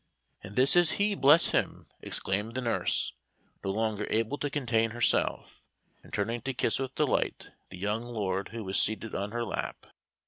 "And this is he, bless him!" exclaimed the nurse, no longer able to contain herself, and turning to kiss with delight the young lord who was seated on her lap.